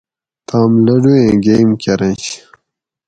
توم لڈو ایں گیم کرنش